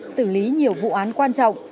xử lý nhiều vụ án quan trọng